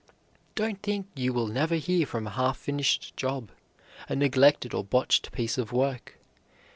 Don't think you will never hear from a half finished job, a neglected or botched piece of work.